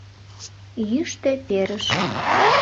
Йӱштӧ перыш.